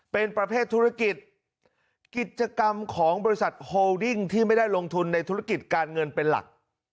เป็นประเภทธุรกิจกิจกรรมของบริษัทโฮลดิ้งที่ไม่ได้ลงทุนในธุรกิจการเงินเป็นหลัก